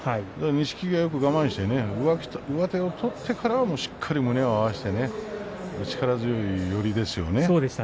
錦木がよく我慢して上手を取ってから左胸を合わせて力強い寄りですよね。